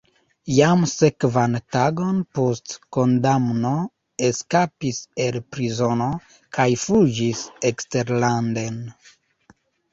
Jam sekvan tagon post kondamno eskapis el prizono kaj fuĝis eksterlanden.